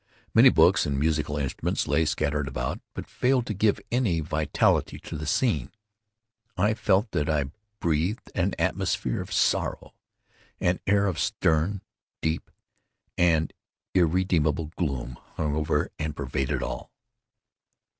Many books and musical instruments lay scattered about, but failed to give any vitality to the scene. I felt that I breathed an atmosphere of sorrow. An air of stern, deep, and irredeemable gloom hung over and pervaded all.